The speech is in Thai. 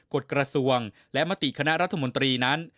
กฎกระทรวงและมติคณะรัฐมนตรีนั้น